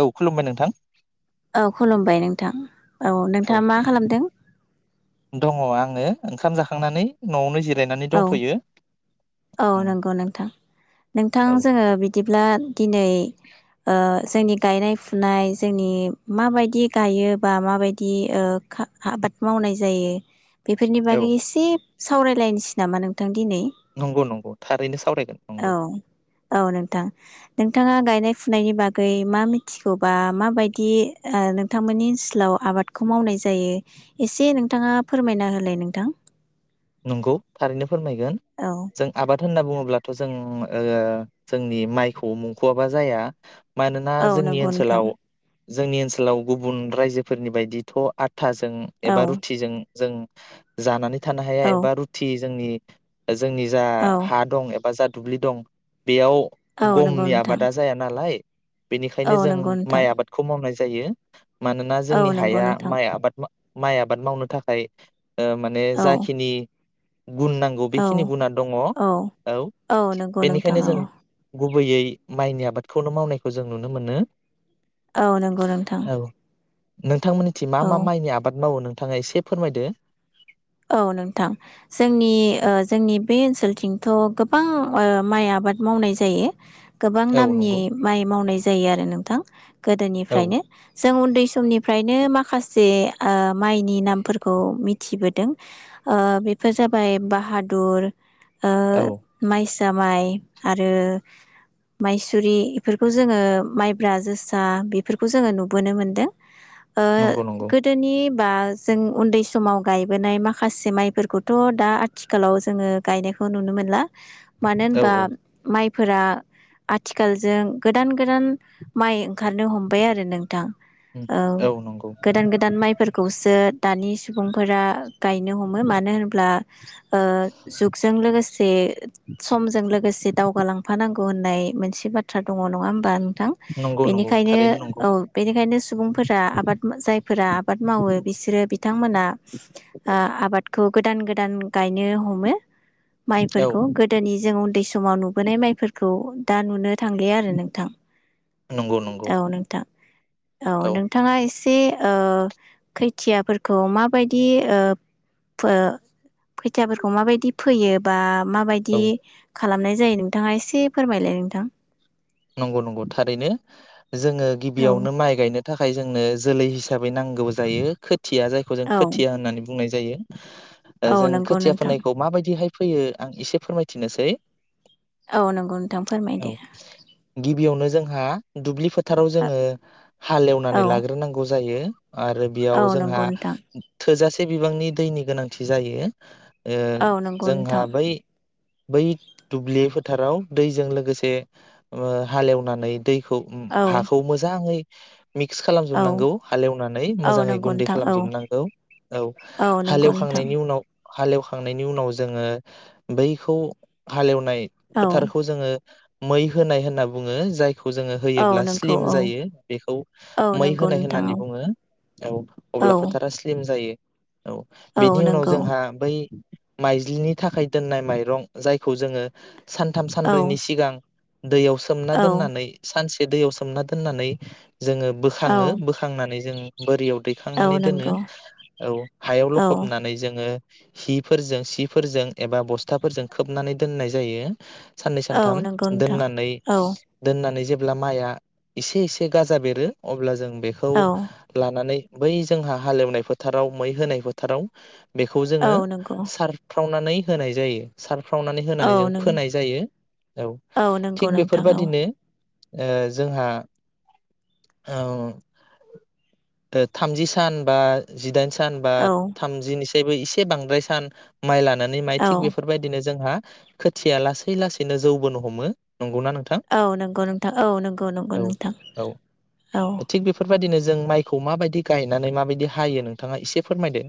औ खुलुमबाय नोंथां [inaudible] थां औ नोंथाङा मा खालामदों? दङ आङो ओंखाम जाखांनानै नआवनो जिर औ औ उम नंगौ नोंथां नोंथां औ जोङो बिदिब्ला दिनै ओ जोंनि गायनाय फुनाय जोंनि माबायदि गायो बा माबायदि ओ खा आबाद मावनाय जायो बेफोरनि बागै औ एसे सावरायलाय नामा नोंथां दिनै नंगौ नंगौ थारैनो सावरायगोन नंगौ। थां नोंथाङा गायनाय फुनायनि बागै मा मिथिगौबा माबायदि ओ नोंथांमोननि ओनसोलाव आबादखौ मावनाय जायो एसे नोंथाङा फोरमायना होलाय नोंथां। नंगौ थारैनो फोरमायगोन औ जों आबाद होनना बुङोब्लाथ जों ओ जोंनि माइखौ मुंखआबा जाया मानोना औ जोंनि नंगौ नोंथां ओनसोलाव जोंनि ओनसोलाव गुबुन रायजोफोरनि बायदिथ थाजों औ एबा रुथिजों जों जानानै थानो औ बा रुटि जोंनि जोंनि जा औ हा दं बा जा दुब्लि दं बेयाव औ नंगौ गमनि नोंथां आबादा जाया नालाय औ बेनिखायनो जों नंगौ नोंथां माइ आबादखौ मावनाय जायो। मानोना औ जोंनि नंगौ हाया नोंथां माइ आबाद माइ आबाद मावनो थाखाय माने औ जाखिनि गुन नांगौ औ बेखिनि गुना दङ औ औ नंगौ नोंथां बेनिखायनो औ जों गुबैयै माइनि आबादखौनो मावनायखौ जों नुनो मोनो। औ नंगौ नोंथां। नों बिथांमोननिथिं मा औ मा माइनि आबाद मावो? नथाङा एसे फोरमायदो। औ नोंथां जोंनि जोंनि बे ओनसोलथिंथ गोबां माइ आबाद मावनाय जायो। गोबां औ नामनि नंगौ माइ मावनाय जायो आरो नोंथां। औ गोदोनिफ्रायनो जों उन्दै समनिफ्रायनो माखासे माइनि नामफोरखौ मिथिबो बेफोर जाबाय बाहादुर ओ औ माइस दामाइ आरो मायसुरि बेफोरखौ जोङो माइब्रा जोसा बेफोरखौ जोङो नुबोनो मोनदों। ओ नंगौ नंगौ गोदोनि बा जों उन्दै समाव गायबोनाय माखा माखासे माइफोरखौ दा आथिखालाव जोङो गायनायखौ नुनो मोनला। मानो औ होनबा औ माइ फोरा आथिखालजों गोदान-गोदान माइ ओंखारनो हमबाय आरो नोंथां। उम औ नंगौ गोदान गोदान माइफोरखौसो दानि सुबुंफोरा गायनो हमो मानो होनोब्ला दा ओ जुगजों लोगोसे समजों लोगोसे दावगालांफानांगौ। होननाय मोनसे बाथ्रा दङ नङा होमबा नोंथां नंगौ नंगौ बेनिखायनो थारैनो नंगौ औ बेनिखायनो सुबुंफोरा आबाद जायफोरा आबाद मावो बिसोरो बिथांमोना आबादखौ गोदान-गोदान गायनो हमो औ माइफोरखौ गोदोनि जों उन्दै समाव नुबोनाय माइफोरखौ दा नुनो थां गैया आरो नोंथां नंगौ नंगौ औ नोंथां औ नोंथाङा एसे दे ओ खोथियाफोरखौ माबायदिओ फो फोथियाफोरखौ माबायदि फैयोबा माबायदि औ खालामनाय जायो नोंथाङा एसे फोरमायलाय नोंथां नंगौ-नंगौ थारैनो जोङो औ गिबियावनो माइ गायनो थाखाय जोंनो जोलै हिसाबै नांगौ जायो खोथिया जायखौ जों औ खोथिया होननानै बुंनाय जाङो जायो औ [inaudible] जों नंगौ खोथिया नोंथां फोनायखौ माबायदिहाय फैयो आं एसे फोरमायथिनोसै औ नंगौ नोंथां फोरमायदो औ गिबियावनो जोंहा दुब्लि फोथार फोथाराव जोङो हालेवनानै औ लाग्रोनांगौ जायो आरो औ बेयाव जोंहा नंगौ नोंथां थोजासे एसे बिबांनि दैनि गोनांथि जायो ओ औ नंगौ जोंहा नोंथां बै बै दुब्लि फोथाराव दैजों लोगोसे ओ‌ हालेवनानै दै खौ औ हाखौ मोजाङै मिक्स औ खालामजोबनांगौ हालेवनानै औ मोजाङै नंगौ गुन्दै नोंथां औ खालामजोबनांगौ औ नंगौ नोंथां हालेवखांनायनि उनाव हालेवखांनायनि उनाव जोङो बैखौ हालेव नाय औ फोथारखौ जोङो मै होनाय होनना बुङो जाय बेखौ जोङो औ होयोब्ला नंगौ स्लिम औ जायो बेखौ औ मै नंगौ होनाय नोंथां होननानै औ बुङो औ औ अब्ला फोथारा स्लिम जायो औ बिनि उनाव नंगौ जोंहा बै माइज्लिनि थाखाय दोननाय माइरं जायखौ जोङो सानथाम औ सानब्रैनि सिगां। दैयाव सोमना औ दोननानै सानसे दैयाव सोमना दोननानै जोङो औ बोखाङो बोखांनानै जों बोरियाव औ दैखांनानै दोनो नंगौ औ हायाव औ लखबनानै जोङो हिफोरजों सिफोरजों एबा बस्थाफोरजों खोबनानै दोननाय जायो। साननै औ सानथाम नंगौ नोंथां दोननानै औ दोननानै जे ब्ला माइआ एसे एसे गाजा बेरो अब्ला जों बेखौ औ लानानै बै जोंहा हालेवनाय फोथाराव मै होनाय फोथाराव बेखौ औ जोङो नंगौ सार फुंनानै होनाय जायो सारफुं फ्रावनानै औ होनानै जों नों फोनाय जायो औ। नंगौ थिग नोंथां औ बेफोरबायदिनो ओ जोंहा ओ थामजि सान बा जिदाइन सा सानबा औ थामजिनि [unintelligible] एसे बांद्राय सान माइला लानानै माइ औ थिग बेफोरबायदिनो जोंहा खोथिया लासै लासैनो जौबोनो हम हमो औ नोंगौ नोंथां औ नोंगौ नोंगौ औ नोंथां औ बेबायदिनो जों माइखौ माबायदि गायनानै माबायदि हायो नोंथाङा एसे फोरमायदो।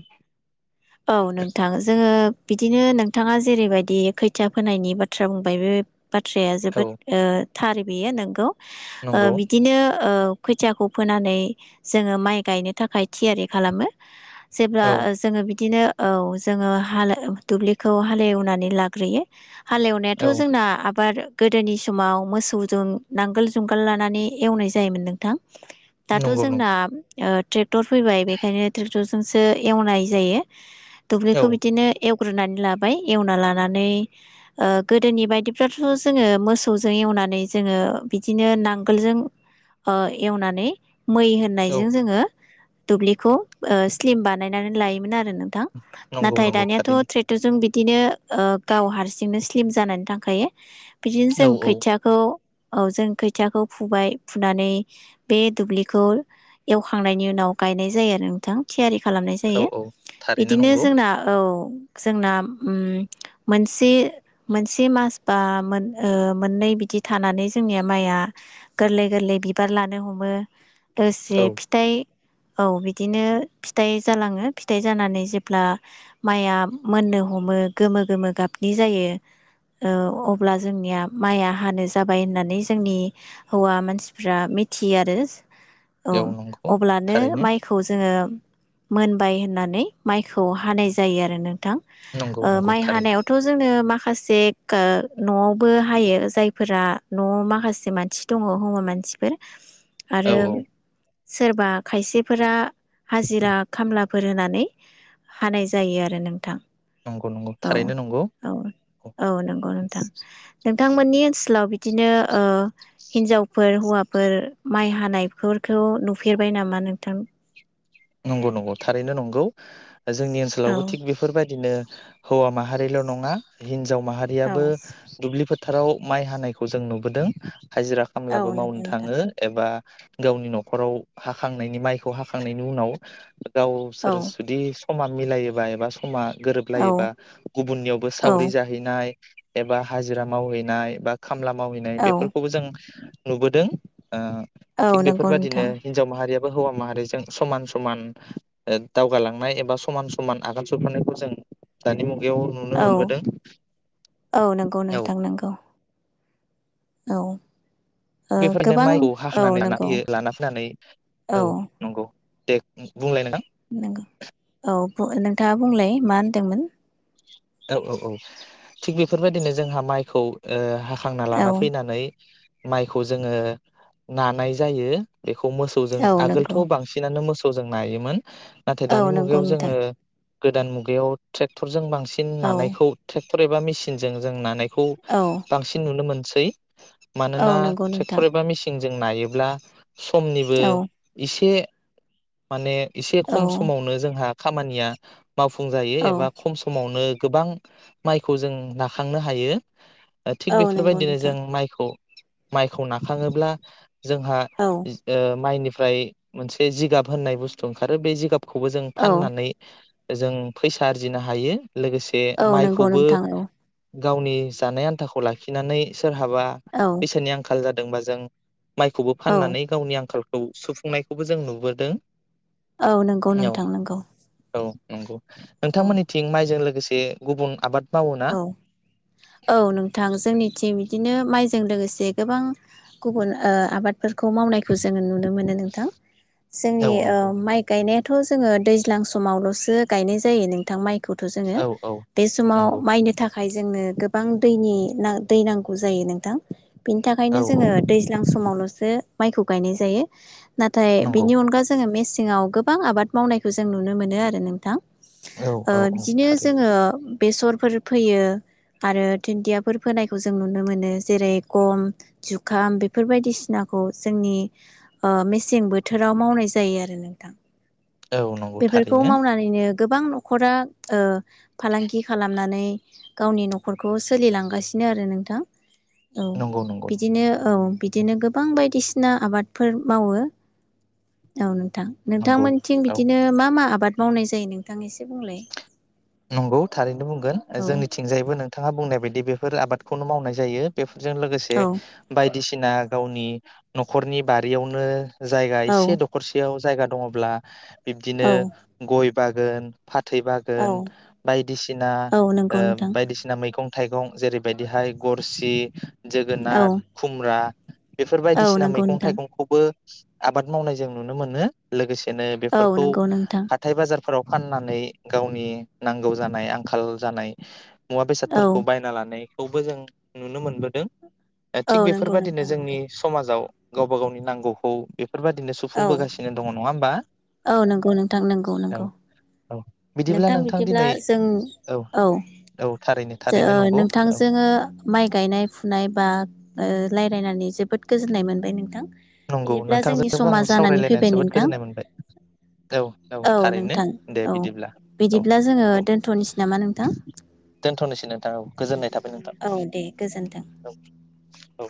औ नोंथां जोङो बिदिनो नोंथाङा जेरैबायदि खै थिया फोनायनि बाथ्रा बुंबाय बे बाथ्राया औ जोबोद ओ थार बेयो नोंगौ। ओ नंगौ बिदिनो ओ खोथियाखौ फोनानै जोङो माइ गायनो थाखाय थियारि खालामो जेब्ला औ ओ जोङो बिदिनो औ जोङो हाल एव दुब्लिखौ हालेवनानै लाग्रोयो हालेवनायाथ औ जोंना आबाद गोदोनि समाव मोसौजों नांगोल जुंगाल लानानै एवनाय जायोमोन नोंथां। दाथ नंगौ नंगौ जोंना ओ ट्रिप क्टर फैबाय बेखायनो ट्रेक्टर जो जोंसो एवनाय जायो। [unintelligible] औ दुब्लिखौ बिदिनो एव ग्रोनानै लाबाय एवना लानानै ओ गोदोनि बायदिब्लाथ जोङो मोसौजों एवनानै जोङो बिदिनो नांगोलजों ओ एवनानै मै औ होननायजों जोङो दुब्लिखौ ओ स्लिम बानायनानै लायोमोन आरो। नोंथां नंगौ नाथाय नंगौ दानियाथ थारैनो ट्रेक्टरजों बि बिदिनो ओ गाव हारसिंनो स्लिम जानानै थांखायो बिदिनो जों औ औ खोयथियाखौ औ जों खोथियाखौ फुबाय फुनानै बे दुब्लिखौ एवखांनायनि उनाव गायनाय जायो आरो नोंथां थियारि खालामनाय औ जायो। औ थारैनो बिदिनो नंगौ जोंना‌ औ जोंना उम मोनसे मोनसे मास बा ओ मोननै बिदि थानानै जोंनिया माइआ गोरलै गोरलै बिबार लानो हमो दोरसे औ फिथाइ औ बिदिनो फिथाइ जालाङो फिथाइ जानानै जेब्ला माइया मोननो हमो गोमो गोमो गाबनि जायो ओ अब्ला जोंनिया माइया हानो जाबाय होननानै जोंनि हौवा मानसिफ्रा मिथियो आरो औ नंगौ अब्लानो थारैनो माइखौ जोङो मोनबाय होननानै माइखौ हानाय जायो आरो नों थां नंगौ नंगौ माइ थारैनो हानायावथ जोंङो माखासे माखासे नआवबो हायो जायफोरा नआव माखासे मानसि दङ हौवा मानसिफोर औ आरो‌ औ सोरबा खायसेफोरा हाजिरा खामलाफोर होनानै हानाय जायो आरो नोंथां नंगौ नंगौ औ थारैनो नंगौ औ औ नंगौ नोंथां नों बिथांमोननि ओनसोलाव बिदिनो हिनजावफोर हौवाफोर माइ हानायफोरखौ नुफेरबाय नामा नोंथां नंगौ नंगौ थारैनो नंगौ जोंनि औ ओनसोलावबो थिग बेफोरबायदिनो हौवा माहारिल नङा हिजाव हिनजाव माहारियाबो औ दुब्लिफोर फोथाराव माइ हानायखौ जों नुबोदों। हाजिरा औ खामलाबो नंगौ मावनो नोंथां थाङो एबा गावनि नखराव हाखांनायनि माइखौ हाखांनायनि उनाव औ गावसोर जुदि समा मिलायोबा एबा सम समा औ गोरोबलायोबा गुबुननियावबो औ सावरि जाहैनाय एबा हाजिरा मावहैनाय बा खामला मावहैनाय औ बेफोरखौबो जों नुबोदों। ओ औ थिग बेफोर नंगौ बादिनो नोंथां हिनजाव माहारिया हौवा माहारिजों समान समान दावगालांनाय ओ एबा समान समान आगान जोबनायखौ जों दानि मु औ औ नंगौ औ नोंथां नंगौ औ ओ बेफोरनो गोबां माइखौ औ हाखानानै लाना नंगौ फयो लाना फैनानै औ नंगौ दे बुंलाय नोंथां नंगौ औ बु नोंथाङा बुंलाय मा होनदोंमोन। औ औ औ थिग बेफोरबायदिनो जोंहा माइखौ ओ खांना औ लाना फैनानै माइखौ जोङो नानाय जायो बे मोसौजों औ आगोलथ नंगौ बांसिनानो मोसौ थजों नायोमोन। नाथाय औ दानि नंगौ मुगायाव नोंथां जोङो गोदान मुगायाव ट्रेक्टरजों बांसिन सिन औ नानायखौ थे खथरैबा मेसिनजों जों नानाय खौ औ बांसिन नुनो मोनदों सै औ मानोना नंगौ नोंथां ट्रेक्टर एबा मिसिन जों नायोब्ला समनिबो औ इसे माने एसे औ खम समावनो जोंहा खामानिया मावफुं जायो औ एबा खम समावनो गोबां माइखौ जों नाखांनो हायो। ओ औ थिग नंगौ बेफोरबायदिनो नोंथां जों माइखौ माइखौ नाखाङोब्ला जोंहा औ जो माइनि फ्राय मोनसे जिगाब होननाय बुस्थु ओंखारो बे जिगाब गाबखौबो जों औ फाननानै जों फैसा आरजिनो हायो लोगोसे औ नंगौ माइखौबो नोंथां गावनि जानाय आन्थाखौ लाखिनानै सो सोर हाबा औ बैसोरनि आंखाल जादों दोंबा जों माइखौबो औ फाननानै गावनि आंखाल खौ सुफुंनायखौबो जों नुबोदों औ नंगौ नोंथां नोंगौ नंग नोंथांमोननिथिं माइजों लोगोसे गुबुन आबाद मावो ना औ औ नोंथां जोंनिथिं बिदिनो माइजों लोगोसे गोबां गुबुन ओ आबाद फोरखौ मावनायखौ जोङो नुनो मोनो नोंथां जोंनि औ ओ नंगौ माइ गायनाय थ जोङो दैज्लां समावलसो गायनाय जायो नोंथां माइ खौथ जोङो औ औ बे नंगौ समाव नि थाखाय जोंनो गोबां दैनि नां दै नांगौ जायो नोंथां बिनि थाखायनो औ जोङो औ दैज्लां समावलसो माइखौ गायनाय जायो। नाथाय नंगौ बिनि अनगा जोङो मेसें सिङाव गोबां आबाद मावनायखौ जों नुनो मोनो आरो नोंथां औ ओ औ औ बिदिनो थारैनो जोङो बेसर फोर फैयो आरो धोनन्दियाफोर फोनायखौ जों नुनो मोनो जेरै गम जुखाम बेफोर बायदिसिनाखौ जोंनि ओ मेसें बोथोराव मावनाय जायो आरो नोंथां। औ नंगौ बेफोरखौ थारैनो मावनानैनो। गोबां नखरा ओ फालांगि खालाम नानै गावनि नखरखौ सोलिलांगासिनो आरो नोंथां। औ नंगौ नंगौ बिदिनो औ बिदिनो गोबां बायदिसिना आबादफोर मावो औ थां नंगौ नोंथांमोनथिं औ बिदिनो मा मा आबाद मावनाय जायो नोंथां एसे बुंलाय नंगौ थारैनो बुं गोन औ जोंनिथिंजायबो नों थाङा बुंनाय बायदि बेफोर आबादखौनो मावनाय जायो बे जों लोगोसे औ बाय दिसिना गावनि नखरनि बारियावनो। जायगा औ एसे दखरसेयाव। जायगा दङब्ला बिब्दिनो औ गय बागोन फाथै औ बागोन। बायदिसिना औ ओ नंगौ नोंथां बायदिसिना मैगं थाइगं जेरैबायदिहाय गरसि औ जोगोनार खुमब्रा बेफोर औ बायदिसिना नंगौ मैगं नोंथां थाइगंखौबो आबाद मावनाय जों नुनो मोनो लोगोसे बेनो औ बेफोरखौ नंगौ नोंथां हाथाय बाजार फोराव फाननानै गावनि नांगौ जानाय आंखाल जानाय मुवा औ बेसादफोरखौ बायना लानै खौबो जों नुनो मोनबोदों। औ थिग नंगौ बेफोरबादिनो नोंथां जोंनि नंगौ समाजाव गावबा गावनि नांगौखौ बे बेफोरबायदिनो औ सुफुंबोगासिनो दङ नङा होमबा? औ नंगौ नोंथां नंगौ औ नंगौ। [unintelligible] बिदिब्ला नोंथां नों बिदिब्ला जों औ औ थारैनो जो थारैनो ओ नंगौ नोंथां औ जोंङो माइ गायनाय फुनाय बा ओ रायज्लायनानै जोबोद गोजोननाय मोनबाय नोंथां। नंगौ बिदिब्ला जोंनि नोंथांजोंबो समा आं जानानै सावरायलायनानै फैबाय जोबोद नोंथां गोजोननाय मोनबाय औ औ थारैनो नोंथां दे औ बिदिब्ला। औ बिदिब्ला जोङो औ दोन्थनोसै नामा नोंथां दोनथ'नोसै नोंथां औ गोजोननाय थाबाय नोंथां औ दे गोजोनथों। औ